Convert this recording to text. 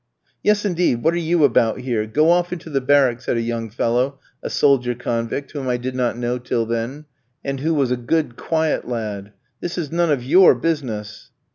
"Yes, indeed, what are you about here? Go off into the barrack," said a young fellow, a soldier convict, whom I did not know till then, and who was a good, quiet lad, "this is none of your business."